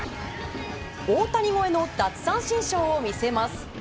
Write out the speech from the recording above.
大谷超えの奪三振ショーを見せます。